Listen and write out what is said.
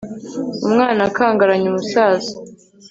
umwana akangaranye umusaza